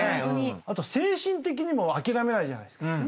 あと精神的にも諦めないじゃないですか。